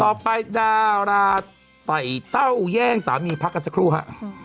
ต่อไปดาราไต่เต้าแย่งสามีพักกันสักครู่ฮะ